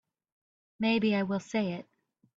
Maybe I will say it.